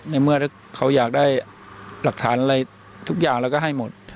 ในเมื่อเขาอยากได้หลักฐานอะไรทุกอย่างเราก็ให้หมด